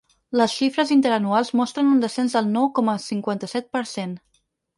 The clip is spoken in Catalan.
Les xifres interanuals mostren un descens del nou coma cinquanta-set per cent.